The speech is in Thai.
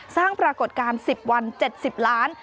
สร้างปรากฏการณ์๑๐วัน๗๐ล้าน